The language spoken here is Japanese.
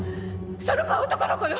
その子は男の子よ！